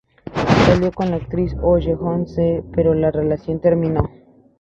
Salió con la actriz Oh Yeon-seo, pero la relación terminó.